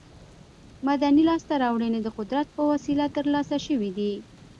مدني لاسته راوړنې د قدرت په وسیله تر لاسه شوې دي.